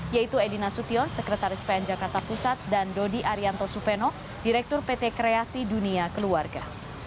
yaitu edi nasution sekretaris pn jakarta pusat dan dodi arianto supeno direktur pt kreasi dunia keluarga